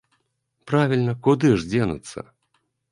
Правільна, куды ж дзенуцца?